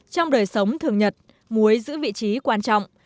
trong đời sống thường nhật muối giữ vị trí quan trọng